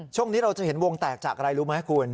ช่วงนี้เราจะเห็นวงแตกจากอะไรรู้ไหมคุณ